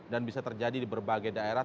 dan bisa terjadi di berbagai daerah